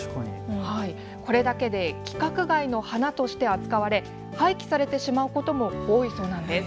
これだけで規格外の花として扱われ廃棄されてしまうことも多いそうです。